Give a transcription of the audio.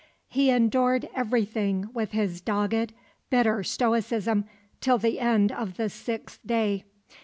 He endured everything with his dogged, bitter stoicism till the end of the sixth day.